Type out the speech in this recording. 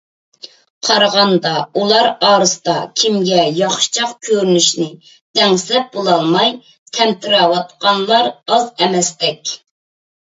قارىغاندا، ئۇلار ئارىسىدا كىمگە ياخشىچاق كۆرۈنۈشنى دەڭسەپ بولالماي تەمتىرەۋاتقانلار ئاز ئەمەستەك.